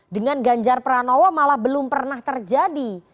dengan ganjar pranowo malah belum pernah terjadi